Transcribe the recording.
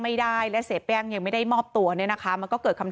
ไม่ได้และเสียแป้งยังไม่ได้มอบตัวเนี่ยนะคะมันก็เกิดคำ